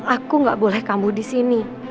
aku gak boleh kamu disini